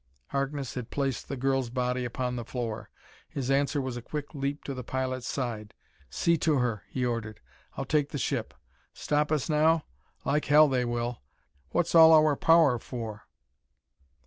Harkness had placed the girl's body upon the floor. His answer was a quick leap to the pilot's side. "See to her," he ordered; "I'll take the ship. Stop us now? Like hell they will! What's all our power for?"